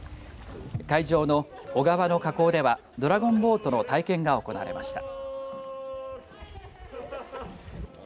会場の雄川の河口ではドラゴンボートの体験が行われました。